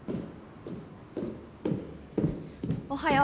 おはよう。